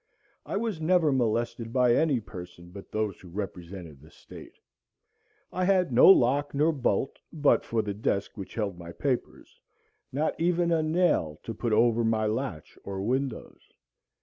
I was never molested by any person but those who represented the state. I had no lock nor bolt but for the desk which held my papers, not even a nail to put over my latch or windows.